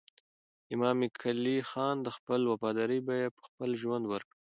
امام قلي خان د خپلې وفادارۍ بیه په خپل ژوند ورکړه.